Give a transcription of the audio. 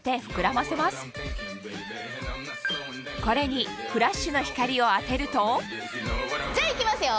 これにフラッシュの光を当てるとじゃあいきますよ。